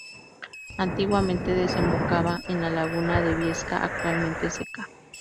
Antiguamente desembocaba en la laguna de Viesca, actualmente seca.